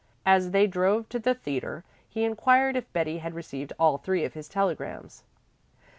As they drove to the theatre he inquired if Betty had received all three of his telegrams.